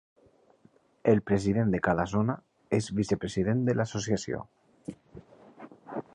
El president de cada zona és vicepresident de l'associació.